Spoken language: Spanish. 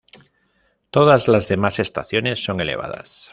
Todas las demás estaciones son elevadas.